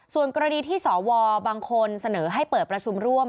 ส่วนกรณีที่สวบางคนเสนอให้เปิดประชุมร่วม